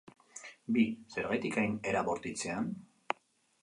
Bi, zergatik hain era bortitzean?